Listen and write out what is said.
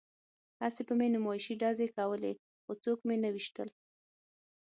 هسې به مې نمایشي ډزې کولې خو څوک مې نه ویشتل